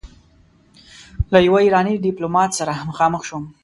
له يوه ايراني ډيپلومات سره مخامخ شوم.